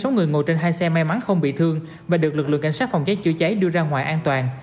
sáu người ngồi trên hai xe may mắn không bị thương và được lực lượng cảnh sát phòng cháy chữa cháy đưa ra ngoài an toàn